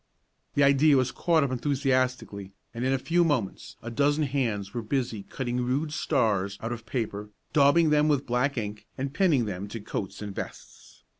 The idea was caught up enthusiastically, and in a few moments a dozen hands were busy cutting rude stars out of paper, daubing them with black ink, and pinning them to coats and vests.